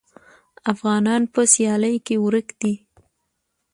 افغانان په سیالۍ کې ورک دي.